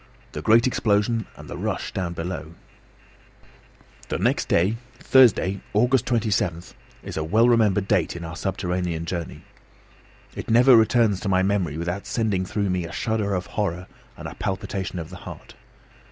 THE GREAT EXPLOSION AND THE RUSH DOWN BELOW The next day, Thursday, August 27, is a well remembered date in our subterranean journey. It never returns to my memory without sending through me a shudder of horror and a palpitation of the heart.